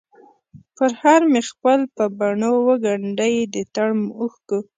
پرهر مې خپل په بڼووګنډی ، دتړمو اوښکو،